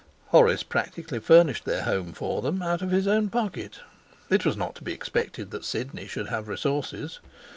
Horace practically furnished their home for them out of his own pocket; it was not to be expected that Sidney should have resources.